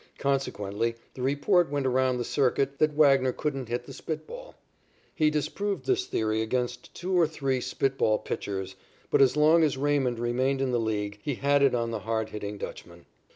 Consequently the report went around the circuit that Wagner couldn't hit the spit ball. He disproved this theory against two or three spit ball pitchers, but as long as Raymond remained in the League he had it on the hard hitting Dutchman.